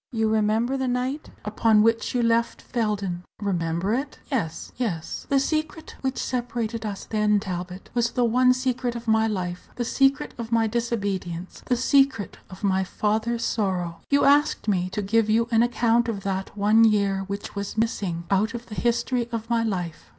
You remember the night upon which you left Felden?" "Remember it? Yes, yes." "The secret which separated us then, Talbot, was the one secret of my life the secret of my disobedience, the secret of my father's sorrow. You asked me to give you an account of that one year which was missing out of the history of my life.